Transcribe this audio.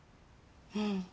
うん。